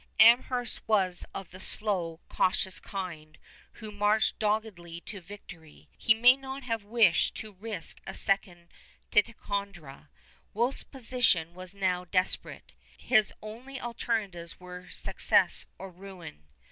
Amherst was of the slow, cautious kind, who marched doggedly to victory. He may not have wished to risk a second Ticonderoga. Wolfe's position was now desperate. His only alternatives were success or ruin.